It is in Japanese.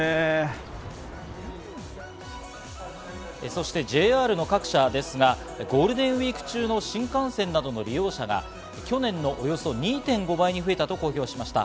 そしてＪＲの各社ですが、ゴールデンウイーク中の新幹線などの利用者が去年のおよそ２．５倍に増えたと公表しました。